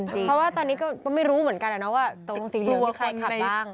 เพราะว่าตอนนี้ก็ไม่รู้เหมือนกันว่าตกลงสีเหลืองมีใครขับบ้าง